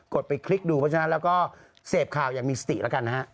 กดไปคลิกดูเพราะฉะนั้นแล้วก็เศพข่าวอย่างมิสก์สิรร้ายกันนะครับ